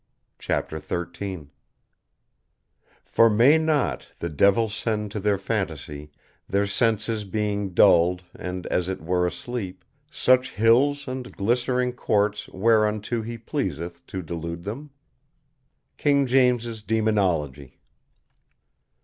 CHAPTER XIII "For may not the divell send to their fantasie, their senses being dulled and as it were asleep, such hills and glistering courts whereunto he pleaseth to delude them?" KING JAMES' "DEMONOLOGY."